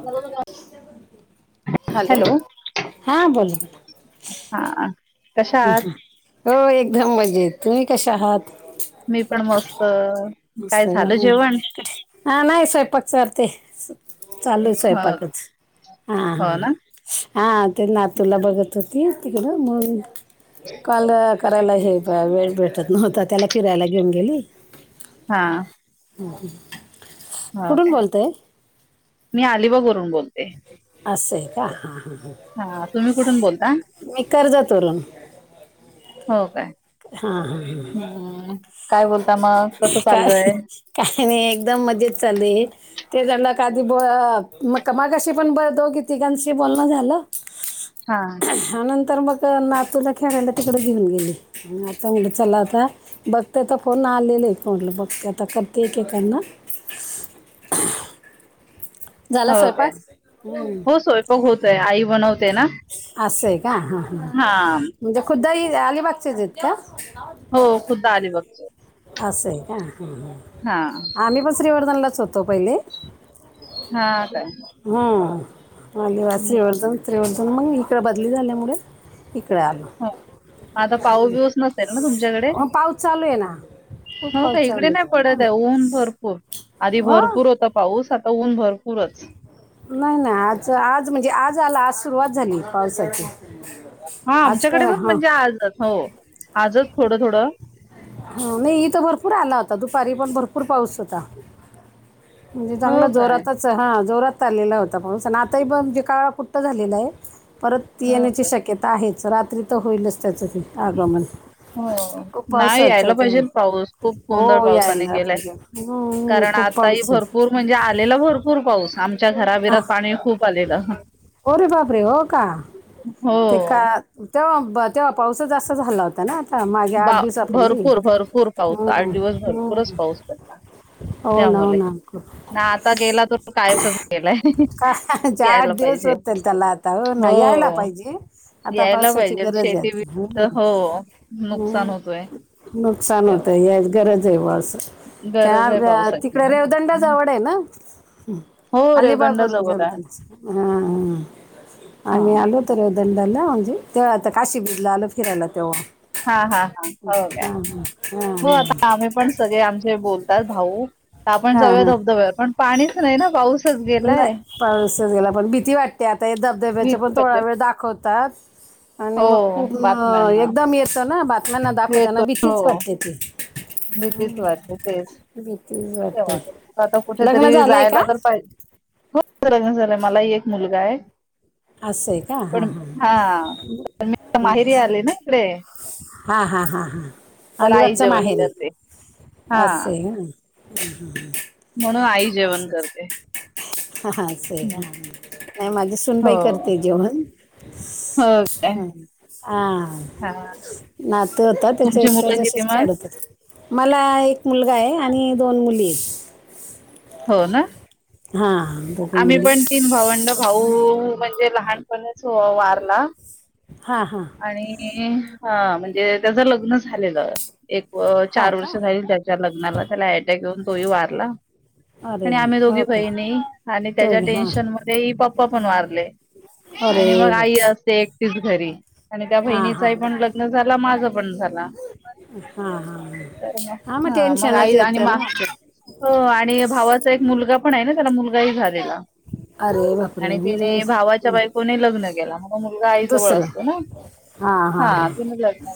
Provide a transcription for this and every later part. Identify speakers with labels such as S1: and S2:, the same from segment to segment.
S1: म.
S2: हॅलो हा बो ब.
S1: हा कशा
S2: ह
S1: आहात
S2: ह हो एकदम मजेत तुम्ही कशा आहात.
S1: मी पण मस्त. काय झालं जेवण
S2: मतठी. हा नाही स्वयंपाक सचाारते चालल आहे
S1: हो
S2: स्वयंपाकच हा हा.
S1: हो ना
S2: हा ते नातूला बघत होती तिकडं म. काल करायला हे वेळ भेटत नव्हतं त्याला फिरायला घेऊन गेली.
S1: हा.
S2: हो हो.
S1: हो काय मी अलिबागरून बोलते.
S2: अस असं का हां हां हां.
S1: हा तुम्ही कुठून बोलता
S2: मी कर्जतवरून
S1: हो काय. हम्म काय बोलता मग कसं
S2: काय
S1: चाललय.
S2: काय नाही एकदम मजेत चाल ते झालं का आधी ब मग. कमागाशी पण बोलतो कीतीिकांशी बोलणं झालं.
S1: हा.
S2: ह नंतर मग नातूला खेळायला तिकडे घेऊन गेली आता मु चला आता. बघतेयता फोन आलेले फोडला बघते आता करते एक एकना. झाला
S1: हो काय
S2: स्वयंपाक
S1: हो सोयपघ होतोय आई बनवते ना.
S2: अस अस आहे का हां हां
S1: हा
S2: म्हणजे खुद्दही अलिबागचेचेत का?
S1: हो खुद्द आलीबाग बघते.
S2: अस अस आहे का
S1: हा
S2: आम्ही पण श्रीवर्धनलाच होतो पहिले.
S1: हा काय
S2: हा आदिवासी
S1: हम्म,
S2: श्रीवर्धन त्रिवर्धन मग इकड बदली झाल्यामुळे इिकराला
S1: हो आता पाऊ बिऊस नसेल ना तुमच्याकडे
S2: ह पाऊस चालू आहे ना खूप
S1: हो का
S2: पावस
S1: इकडे
S2: चालले
S1: नाही
S2: हा
S1: पडत आहे ऊन भरपूर आधी भरपूर होता पाऊस आता ऊन भरपूरच.
S2: नाही नाही आज आज म्हणजे आज आला आज सुरुवात झाली पावसाची.
S1: हा
S2: आज
S1: आमच्याकडे
S2: काय
S1: पण
S2: हां
S1: म्हणजे आजच हो आजच थोडं थोडं.
S2: ह नाही इथ भरपूर आला होता दुपारी पण भरपूर पाऊस होता. म्हणजे चांगला
S1: हो काय
S2: जोरातच. हां जोरात चाललेला होता पाऊस आणि आताही पण जे काळा कुठ्टं झालेला आहे परत ती
S1: हो
S2: येण्याची
S1: काय
S2: शक्यता आहेच रात्री तर होईलच त्याचं ते आगमन
S1: हो.
S2: खूप
S1: नाही
S2: पावसाचं
S1: यायला
S2: आहे
S1: पाहिजे
S2: ते.
S1: पाऊस खूप गोंधळ
S2: हो
S1: पावसाने
S2: यायला
S1: केलाय
S2: पाहिजे हम्म,
S1: कारण
S2: खूप
S1: आता ह
S2: पाऊस आहे
S1: भरपूर. म्हणजे आलेला भरपूर पाऊस आ च्या
S2: हां
S1: घराबिरात पाणी खूप आलेलं.
S2: अरे बापरे हो का
S1: हो
S2: ते का तेव्हा तेव्हा पावसच जाा झाला होता. हो ना आता मागे आठ
S1: बा
S2: दिवसा पूर्वी.
S1: भरपूर भरपूर पाऊस आठ दिवस भरपूरच पाऊस पडला
S2: होन
S1: त्यामुळे
S2: ना अक
S1: ना आता गेला तर कायमसच गेलाय यायला पाहिजे.
S2: ला हो ना यायला पाहिजे, आता
S1: यायला
S2: पावसाची
S1: पाहिजे
S2: गरज आहे
S1: शेती बी-
S2: आता.
S1: हो नुकसान
S2: हम्म.
S1: होतोय.
S2: नुकसान होतंय, या गरज आहे बा असं.
S1: गरज आहे
S2: त्या
S1: पावसाची.
S2: तिकड रेवदंडा जवड आहे ना
S1: हो
S2: अलीबाग
S1: रेवदंड
S2: वरून
S1: जवळ
S2: रेवद
S1: आहे.
S2: ह आम्ही
S1: हां.
S2: आलो तर रेवदंडाला म्हणजे, तेव्हा त काशी बिजला आल फिरायला तेव्हा.
S1: हा हा हा हो काय,
S2: हां हां
S1: हो
S2: हां हां
S1: आता आम्ही पण सगळे आमचे बोलतात भाऊ. आपण
S2: हां
S1: जाऊया
S2: हां
S1: धबधब्याव, पण पाणीच नाही ना पाऊसच गेलाय.
S2: नाही पाऊसच गेला पण भीती वाटते, आता या धबधब्याच
S1: भीती
S2: पण थोडा
S1: वाटते.
S2: वेळ दाखवतात. आणि
S1: हो
S2: मग खूप
S1: बातम्यांना
S2: एकदम येतं ना, बातम्याना दाखवताना भीतीच वाटते ते.
S1: मी तेच वाटते तेच
S2: भीतीच
S1: ते
S2: वाटते
S1: वां आता
S2: लग्न
S1: कुठेतरी
S2: झालं आहे का
S1: जायला तर पाहि
S2: [inaudible]
S1: लग्न झालंय मला ही एक मुलगा आहे.
S2: असं आहे का हा
S1: पण
S2: हा.
S1: हां. तर माहेरी आले ना इकडे
S2: हा हा हा हा
S1: तर आई
S2: अलिबागच
S1: जेवण
S2: माहेर
S1: करते.
S2: अस
S1: हां.
S2: हे का. [unintelligible]
S1: म्हणून आई जेवण करते.
S2: हा अस हे का,
S1: हं.
S2: नही माझी सुनबाई
S1: हो.
S2: करते जेवण.
S1: हो काय?
S2: आ!
S1: हां.
S2: नातू होता, त्याच्या
S1: तुमची मुलं किती
S2: त्याच्याशीच
S1: मग?
S2: खेडत होते. मला एक मुलगा आहे, आणि दोन मुली हे.
S1: हो ना!
S2: हा!
S1: आम्ही पण तीन भावंड, भाऊ म्हणजे लहानपण च वारला.
S2: हां हां
S1: आणि हा म्हणजे त्याच लग्न झालेलं. एक अ
S2: हां
S1: चार
S2: का
S1: वर्ष झाली त्याच्या लग्नाला, त्याला अटॅक येऊन तोही वारला.
S2: अरे
S1: आणि आम्ही दोघी
S2: हो का
S1: बहिणी आणि त्याच्या
S2: दोघी हां
S1: टेन्शन मध्ये, पप्पा पण वारले
S2: अरे
S1: आणी मग आई
S2: बापरे
S1: अ ते एकटीच घरी, आणि त्या
S2: हां हां
S1: बहिणीचाही पण लग्न झाला माझ पण झाला.
S2: हा हा
S1: तर मग
S2: आ म
S1: हां मग
S2: टेनशच
S1: आई
S2: येत
S1: आणि मा
S2: ना आप
S1: हो आणि भावाचा एक मुलगा पण आहे ना, त्याला मुलगाही झालेला.
S2: अरे वा
S1: आणि तिने भावाच्या बायकोने लग्न केला, मग मुलगा आईजवळ
S2: दुसरं
S1: असतो ना.
S2: हां हां
S1: हा तीन लग्न केल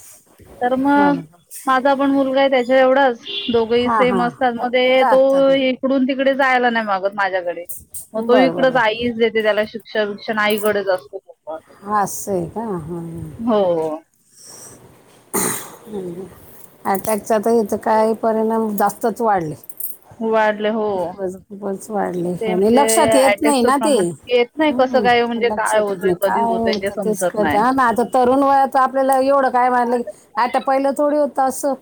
S1: तर
S2: हां
S1: मग माझा पण मुलगा आहे त्याच्या एवढाच, दोघही
S2: हां
S1: सेम
S2: हां
S1: असतात मध्ये तो
S2: राहतात ना
S1: ईकडून तिकडे जायला नाही मागत माझ्याकडे, मग तो
S2: बरं
S1: इकडच
S2: बरं बरं
S1: आईच त्याला शिक्षण विक्षण आईकडच असतो. तो पण.
S2: आसय का हा हा.
S1: हो!
S2: अटॅकचा तर इथं काही परिणाम जास्तच वाढले.
S1: वाढले हो
S2: खूपच खूपच वाढले,
S1: ते
S2: आणि
S1: म्हणजे
S2: लक्षात येत नाही
S1: अटॅकचं
S2: ना ते.
S1: प्रमाण येत नाही कसं
S2: हूं
S1: काय म्हणजे काय
S2: लक्षात येत
S1: होतंय
S2: नाही,
S1: कधी
S2: काय
S1: होतंय ते
S2: घडतं तेच
S1: समजत
S2: कळत
S1: नाही
S2: आ मं आता. तरुण वयात आपल्याला एवढं काय मानलं की आता पहिलं थोडी होत असं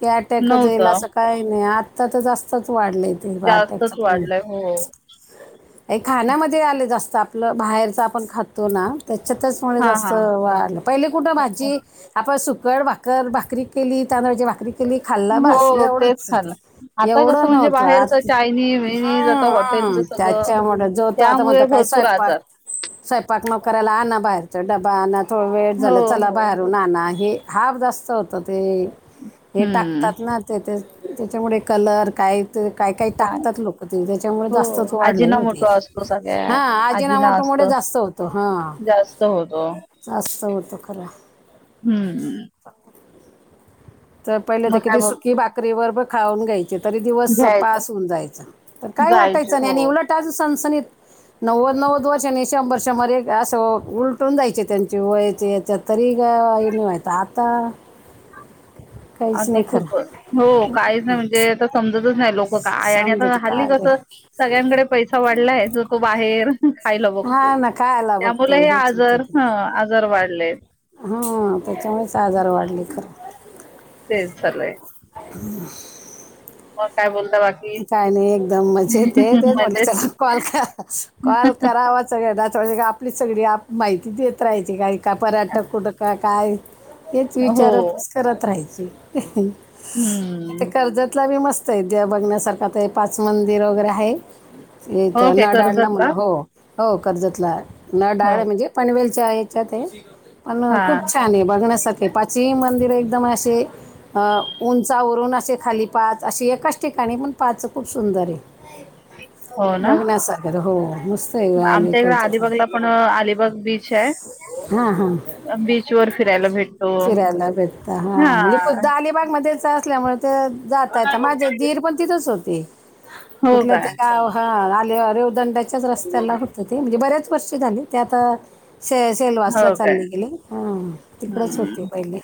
S2: की अटॅकच येईल
S1: नव्हतं
S2: असं काही नाही, आत्ता त जास्तच वाढलय. तेि [unintelligible] वाट
S1: जास्तच
S2: चप्रेम.
S1: वाढलंय हो
S2: काही खाण्यामध्ये आले जास्त, आपलं बाहेरच आपण खात तो ना त्याच्या त्याचमुळे
S1: हा
S2: जास्त वाढलं, पहिले कुठं
S1: हा
S2: माझी आपण सुकड भाक कर भाकरी केली, तांदळाची भाकरी तुम्ही खाल्ला बासं
S1: हो तेच
S2: एवढंचं
S1: खाल्लं. आता कसं
S2: एवढं
S1: म्हणजे
S2: नव्हतं, आ
S1: बाहेरच चायनीज विनीज
S2: हअ
S1: आता हॉटेलचं
S2: हअ
S1: सगळं
S2: त्याच्यामुळे, जो तो आता म्हणत
S1: त्यामुळे
S2: काय
S1: भरपूर
S2: स्वयंपाक?
S1: आजार.
S2: स्वयंपाक न करायला आणा बाहेरच डबा आणा थोडं वेळ
S1: हो
S2: झालं चला
S1: हो हो
S2: बाहेरून आणा हे हाफ जास्त होतं ते, हे
S1: हम्म
S2: टाकतात ना. ते त्या त्याच्यामुळे कलर काय? ते काय काही टाकतात लोक ते त्याच्यामुळे
S1: हो
S2: जास्तच वाढलयं
S1: आजीना
S2: ना ते
S1: मोठा असतो
S2: हा
S1: सगळ्यात आजीना
S2: आजीनामाटो मुळे
S1: असतो
S2: जास्त तो होतो हा
S1: जास्त होतो.
S2: असं होत खरं
S1: हम हम
S2: तर पहिले तर
S1: मग काय
S2: किती
S1: बघ
S2: सुकी बाकरी बरबर खाऊन घ्यायची. तरी दिवस
S1: घ्यायचं
S2: पास होऊन जायचं, तर काय
S1: जायचं
S2: वाटायचं नाही
S1: हो
S2: आणि उलट आणि सणसणीत. नव्वद नव्वद वर्षांनी शंभर वर्षामध्ये असं उलटून जायचे, त्यांचे वयाच्या ह्याच्यात. तरी काई नाही व्हायत आता काहीच
S1: आता
S2: नाही खरं
S1: खूप हो काहीच नाही म्हणजे, आता समजतच नाही लोक ब काय आणि आता
S2: समजते
S1: हल्ली
S2: काय ते
S1: कसं सगळ्यांकडे पैसा वाढलाय, जो तो बाहेर खायला बघतो,
S2: हा ना खायला
S1: त्यामुळे
S2: बघतो
S1: हे
S2: हेच
S1: आजार ह आजार वाढले.
S2: हम त्याच्यामुळेचं आजार वाढले खरं.
S1: तेच चालूय
S2: हम्म!
S1: मग काय बोल
S2: झालं एकदम मजेत येत, तेच म्हटलं
S1: मजेत
S2: चला कॉल करा कॉल करावा सगळ [unintelligible] आपली सगळी माहिती देत राहायची काय? का परत कुट काय? हेच
S1: हो
S2: विचारत करत राहायची.
S1: हम्म!
S2: इथ कर्जतला बी मस्त आहे देव बघण्यासारखा ते पाच मंदिर वगैरे आहेत. [unintelligible]
S1: हो काय
S2: म्हण
S1: कर्जतला
S2: हो, हो कर्जतला न
S1: हो
S2: डाळ म्हणजे, पनवेलच्या ह्याच्यातयं पण
S1: हा
S2: खूप छान आहे, बघण्यासाठी पाच मंदिर एकदम असे उंचावरून असे खाली पाच अशी एकाच ठिकाणी पण पाच खूप सुंदर आहे
S1: हो ना
S2: बघण्या सारखं हो नुसत
S1: आमच्या इकडे अलिबागला पण अलिबाग बीच आहे.
S2: हा हा
S1: बीच वर फिरायला भेटतो
S2: फिरायला भेटता हा म्हणजे खुद्द अलिबाग मध्ये असल्यामुळे ते जात येत माझे दीर पण तिथच होते,
S1: हो
S2: कुठलं ते
S1: काय
S2: गाव हा आले रेवदंडाच्याच रस्त्याला होतं, ते म्हणजे बऱ्याच वर्षी झाले ते आता शे
S1: हो
S2: सेलवासला चालले
S1: काय
S2: गेले ह तिकडच होते
S1: हम्म
S2: पहिले.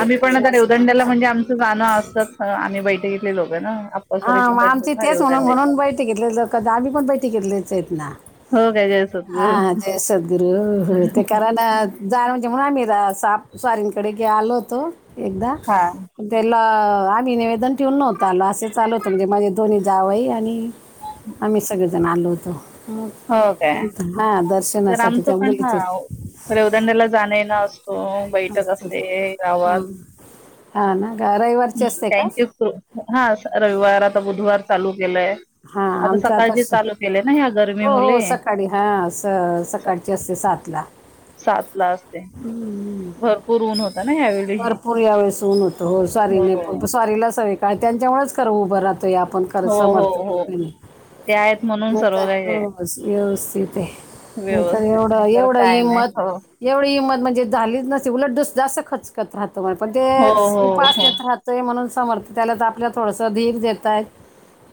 S1: आम्ही पण
S2: असं
S1: आता
S2: असं
S1: रेवदंड्याला म्हणजे आमचं जाणं असतंच आम्ही बैठकीतले लोक ना.
S2: हा
S1: आप्पासोरे
S2: म
S1: तिकडचेत
S2: आमचे
S1: ना
S2: तेच म्हणून,
S1: रेवदंड्याचे
S2: म्हणून बैठकीतले लोक आम्ही पण बैठकीतलेचं हायेत न.
S1: हो, काय जास्त
S2: हा जय सद्गुर हो ते करा ना [unintelligible] म्हणून आम्ही रा-साप स्वारींकडेे आलो होतो एकदा
S1: हा
S2: त्याला आम्ही निवेदन ठेवून नव्हतं आलो, असेचं आलो होतं म्हणजे माझे दोही जावंही आणि आम्ही सगळेजण आलो होतो.
S1: हो, काय?
S2: हा
S1: तर
S2: दर्शनासाठी
S1: आमचं
S2: त्या
S1: पण हा
S2: मुलीचे
S1: रेवदंड्याला जाण येण असतो ओ बैठक
S2: मस्तच.
S1: असते गावात.
S2: हा ना गा रविवारची
S1: हम्म!
S2: असते का
S1: त्यांची तो हा रविवार आता बुधवार चालू केलंय.
S2: हा आमचं आता
S1: सकाळचे चालू केले ना ह्या गरमी
S2: हो हो
S1: मुले
S2: सकाळी हा स- सका [unintelligible] असते सात ला.
S1: सात ला असते. भरपूर ऊन होता ना यावेळी
S2: भरपूर यावेेळेस ऊन होत, हो स्वारीने फक्त स्वारीला सगळं काय त्यांच्यामुळेच खरं उभं राहत. ते आपण कराय
S1: हो हो
S2: समर्थ
S1: हो
S2: कडक नाही
S1: ते आहेत म्हणून सर्व काही आहे
S2: व्यवस्थित आहे नाही तर
S1: व्यवस्थित
S2: एवढं
S1: नाही तर
S2: एवढं
S1: काय नाही
S2: हिंमत
S1: हो
S2: एवढी हिंमत म्हणजे झालीच नसती उलट दुस जास्त खचकत राहतो म्ह पण ते
S1: हो हो हो
S2: उपासनेेत राहत म्हणून समोर्थ त्याला तर आपल्या थोडसं धीर देतय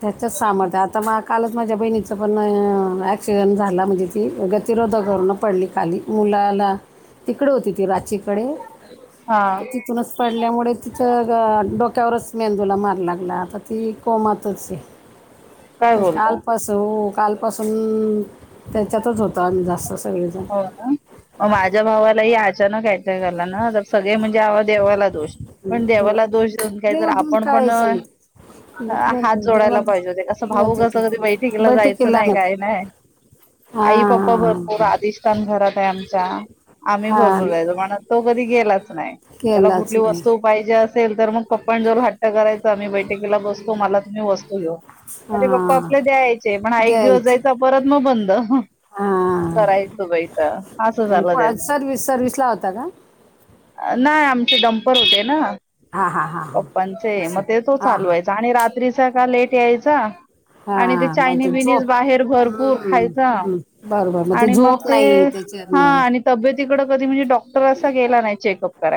S2: त्याच्याच सामोर्थ आता मग कालच माझ्या बहिणीचं पण ॲक्सिडेंट झाला म्हणजे ती गतिरोधक करून पडली खाली मुलाला तिकडें होती ती रचीकडे
S1: हा
S2: तिथूनच पडल्यामुळे तिथं डोक्यावरच मेंदूला मार लागला आता ती कोमातच आहे
S1: काय
S2: [unintelligible]
S1: बोलता
S2: कालपस कालपसून त्याच्यातच होतो आम्ही जास्त सगळे
S1: हो मग माझ्या भावाला काहीतला ना तर सगळे म्हणजे देवाला दोष पण देवाला दोष दे काही तर
S2: देव देऊन
S1: आपण पण
S2: काहीच नाही
S1: हात जोडायला पाहिजे हो ते कसं भाऊकसं कधी बैठकीला
S2: बैठक
S1: जायचं
S2: केला
S1: नाही
S2: ना
S1: काही नाही आई पप्पा भरपूर
S2: हां
S1: आध न घरात आहे आमच्या आम्ही
S2: हां
S1: भरपूर राहिो म्हण तो कधी गेलाच नाही त्याला
S2: केलाच
S1: कुठली
S2: नाही
S1: वस्तू पाहिजे असेल तर मग पप्न जर हट्ट करायचं आम्ही बैठकीला बसतो मला तुम्ही वस्तू घे अरे पप्पा
S2: हां
S1: आपल्या द्यायचे पण एक दिवस
S2: द्यायचं
S1: जायचां परत मग बंद
S2: हां
S1: करायचं बईथ असं
S2: तुम्ही
S1: चाललं
S2: कोणा
S1: त्याच
S2: सर्विस सर्विसला होता का
S1: नाही आमचे डम्पर होते ना
S2: हा हा
S1: पप्पांचे मग ते तो चालवायचा आणि रात्रीचा का लेट यायचा
S2: हा
S1: आणि
S2: मग
S1: चायनी
S2: ते
S1: बिनीज
S2: झोप
S1: बाहेर भरपूर खायचा
S2: हम्म हम् बरोबर मग ते झोप नाही त्याच्यात
S1: हा
S2: ह
S1: आणि तब्येतीकडे कध म्हणजे ॉ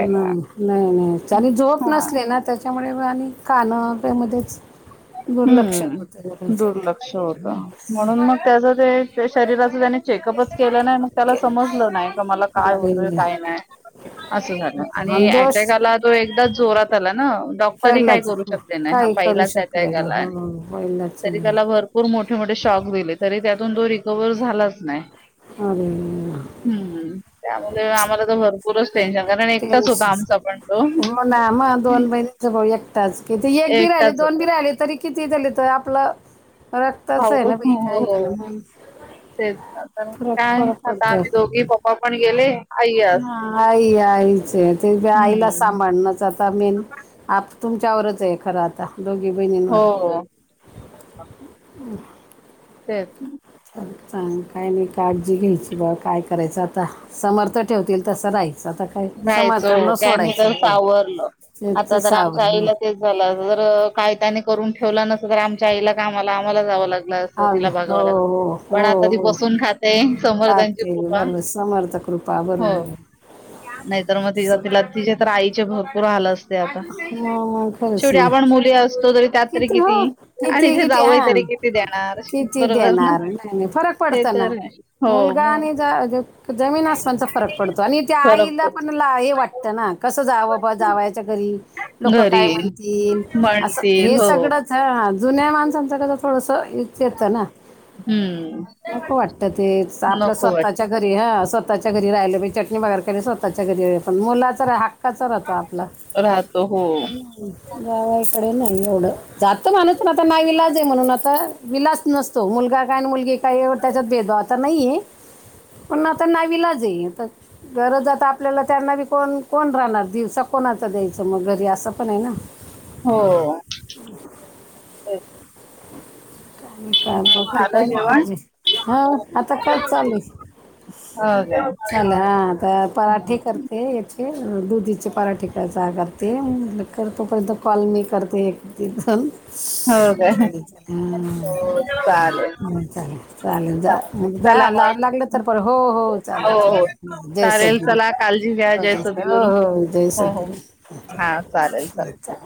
S2: नाही नाही नाही झोप
S1: हा
S2: नसले ना त्याच्यामुळे आणि कानं त्यामध्येच दुर्लक्ष होत रज
S1: शोध म्हणून मग त्याच ते शरीराच त्यानी चेकअपच केलं नाही मग त्याला
S2: के-
S1: समजलं नाही क मला काय होतंय काय नाही असं झालं आणि अटॅकाला तो एकदा जोरात आला ना डॉक्टरही काय
S2: पहिलाच
S1: करू
S2: हा.
S1: शकले नाही
S2: काही करू
S1: पहिलाच
S2: शकले
S1: अटॅक आला
S2: हो मईलाच
S1: तरी
S2: नाही
S1: त्याला भरपूर मोठे मोठे शॉक दिले तरी त्यातून तो रिकवर्ह झालाच नाही
S2: अ
S1: हम्म त्यामुळे आम्हाला तर भरपूरच टेन्शन कारण एकटाच होता आमचा पण तो
S2: हो ना मग दोन महिणीच भाऊ एकटाच किती एक बी राहि
S1: एकटाच
S2: दोन बी
S1: होता.
S2: राहिले तरी किती त्याले त आपलं रक्तच
S1: भाऊ
S2: आहे
S1: तो
S2: ना
S1: हो
S2: काय
S1: हो
S2: त्यालं म्हण
S1: तेच काय आता आम्ही दोघी पप्पा पण गेले आई
S2: ह
S1: असते.
S2: आई आईच आहे ते आईला
S1: हम्म.
S2: सांभाळण आता मेन आप तुमच्यावरच आहे खरं आता दोघी बहिणींवर
S1: हो हो
S2: ह
S1: ते
S2: च चांग काय नाही काळजी घ्यायची बा काय करायचं आता समर्थ ठेवतील तसं नाहीच आता काय
S1: जायचं हो
S2: समर्थांना
S1: त्यांनी
S2: सोडायचं
S1: तर
S2: हो
S1: सावरलं
S2: ते-
S1: आता
S2: ते
S1: तर आमच्या
S2: सावरलं
S1: आईला ते झा जर काय त्यानी करून ठेवला नसल तर आमच्या आईला कामाला आम्हाला जावं लागत
S2: आ हो हो
S1: ती
S2: हो
S1: बसून खाते समर्थांची
S2: काते
S1: कृपा
S2: बर समर्थकृप बा बर
S1: हो
S2: ब
S1: नाहीतर मग ति तिला तिच्या तर आईचे भरपूर आलं असत
S2: मग मग खरंच
S1: शेवटी
S2: ना
S1: आपण मुली असतो तरी त्यात
S2: किती हो?
S1: आणि
S2: किती
S1: ते
S2: किती
S1: जावई तरी किती देणार
S2: किती
S1: बरोबर ना
S2: देणार नाही नाही फरक
S1: ते
S2: पडत ना.
S1: तर आहे. हो
S2: मुलगा
S1: मग
S2: आणि ज-ज -जमीन असमानचा फरक पडतो. आणि त्या
S1: फरक
S2: आईला पण
S1: पडतो
S2: ला, हे वाटतं ना कसं जावं बा जावयच्या घरी. लोक काय
S1: घरी
S2: म्हणतील? असं.
S1: म्हणतील
S2: हे
S1: हो
S2: सगळंच हं जुन्या माणसांचं कस थोडसं येच येतं ना.
S1: हम्म
S2: नको वाटत ते, आपल्या
S1: नको वाट
S2: स्वतःच्या. घरी हं, स्वतःच्या घरी राहिलं कि चटणी भाकर केली, स्वतःच्या घरी पण मुलाच तर हाक् काचा राहतो आपला,
S1: राहतो हो.
S2: हम्म जावाया कडे नाही एवढं. जातो माणूस पण आता नाही विलाज ये म्हणून आता, विलाज नसतो, मुलगा काय मुलगी- काही त्याच्यात भेद आता नाहीये, पण आता नावीलाज ये. गरज आता आपल्याला त्यांना बी कोण, कोण राहणार दिवसा कोणाच द्यायचं, मग घरी असं पण आहे ना.
S1: हो. तेच.
S2: काइ नई काल बाकी
S1: झालं
S2: काही नाही
S1: जेवण
S2: काढले, हा आता काय चालय?
S1: हो काय
S2: चाल हा तर आता पराठे करते. करते, दुधीचे पराठे यचा करते, मी म्हनलं कर तोपर्यंत कॉल मी करते. ह [unintelligible]
S1: चालल.
S2: नई चालत. चालल, जा म्हण जा
S1: मग
S2: ला-लागलं तर पण हो हो चालल चालल जय
S1: चालेल
S2: सद्गुरु.
S1: चला काळजी घ्या जय
S2: हो
S1: सद्गुरू
S2: हो जय
S1: हो हो हा चालेल चालेल
S2: सद्गुरू.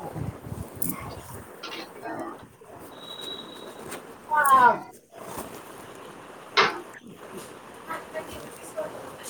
S1: हा.
S2: [inaudible]